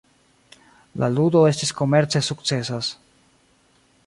La ludo estis komerce sukcesas.